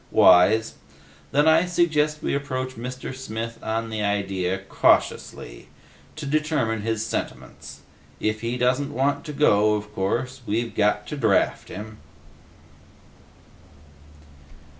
"Wise. Then I suggest we approach Mr. Smith on the idea, cautiously, to determine his sentiments. If he doesn't want to go, of course, we've got to draft him."